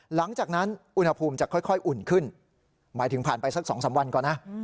หลังจากนั้นอุณหภูมิจะค่อยอุ่นขึ้นหมายถึงผ่านไปสัก๒๓วันก่อนนะ